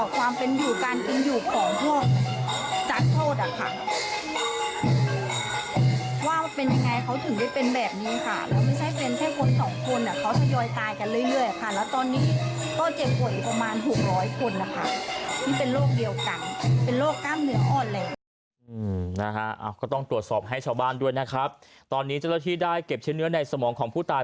ก็ต้องตรวจสอบให้ชาวบ้านด้วยนะครับตอนนี้เจ้าหน้าที่ได้เก็บชิ้นเนื้อในสมองของผู้ตาย